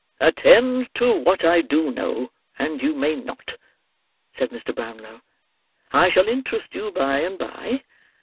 "Attend to what I do know, and you may not," said Mr. Brownlow. "I shall interest you by and by.